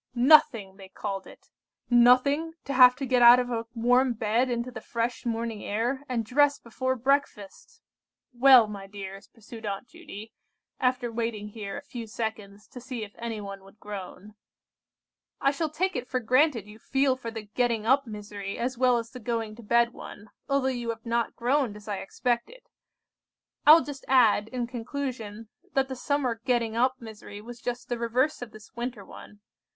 "Nothing! they called it nothing to have to get out of a warm bed into the fresh morning air, and dress before breakfast! "Well, my dears," pursued Aunt Judy, after waiting here a few seconds, to see if anybody would groan, "I shall take it for granted you feel for the getting up misery as well as the going to bed one, although you have not groaned as I expected. I will just add, in conclusion, that the summer getting up misery was just the reverse of this winter one.